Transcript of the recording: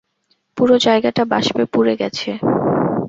পুরো জায়গাটা বাষ্পে পুড়ে গেছে।